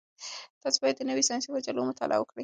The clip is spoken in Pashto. تاسي باید د نویو ساینسي مجلو مطالعه وکړئ.